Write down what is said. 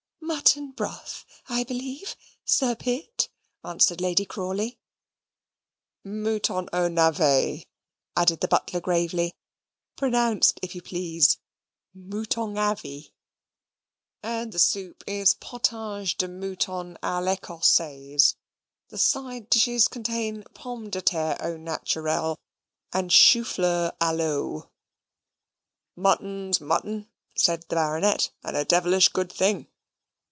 "Mutton broth, I believe, Sir Pitt," answered Lady Crawley. "Mouton aux navets," added the butler gravely (pronounce, if you please, moutongonavvy); "and the soup is potage de mouton a l'Ecossaise. The side dishes contain pommes de terre au naturel, and choufleur a l'eau." "Mutton's mutton," said the Baronet, "and a devilish good thing.